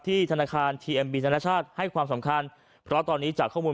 ธนาคารทีเอ็มบินธนชาติให้ความสำคัญเพราะตอนนี้จากข้อมูล